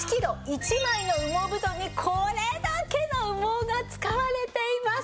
１枚の羽毛布団にこれだけの羽毛が使われています。